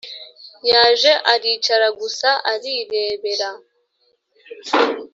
Yaje aricara gusa arirebera